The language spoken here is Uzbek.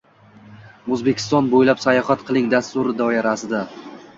“O‘zbekiston bo‘ylab sayohat qiling” dasturi doirasida